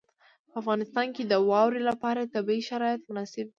په افغانستان کې د واوره لپاره طبیعي شرایط مناسب دي.